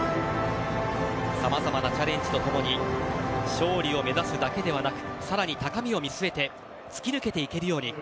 さまざまなチャレンジと共に勝利を目指すだけではなく更に高みを見据えて突き抜けていけるように。